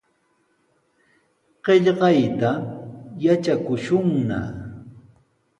Qillqayta yatrakushunna.